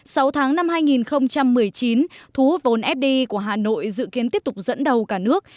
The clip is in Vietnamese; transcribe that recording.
sau tháng năm hai nghìn một mươi chín thu hút vốn fdi của hà nội dự kiến tiếp tục dẫn đầu cả nước